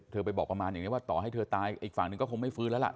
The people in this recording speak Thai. ไปบอกประมาณอย่างนี้ว่าต่อให้เธอตายอีกฝั่งหนึ่งก็คงไม่ฟื้นแล้วล่ะ